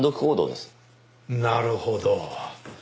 なるほど。